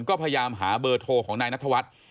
ก็พยายามหาเบอร์โทรของนายนัทวัฒน์